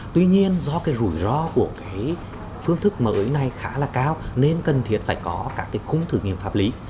tuy nhiên do rủi ro của phương thức mới này khá là cao nên cần thiết phải có các khung thử nghiệm phạm lý